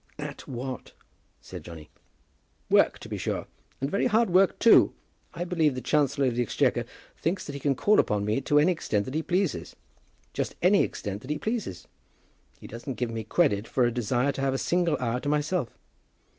"At what?" said Johnny. "Work, to be sure; and very hard work too. I believe the Chancellor of the Exchequer thinks that he can call upon me to any extent that he pleases; just any extent that he pleases. He doesn't give me credit for a desire to have a single hour to myself."